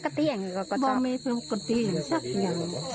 หือใครจริงมึงคงไม่เสียงภรรยาค่ะ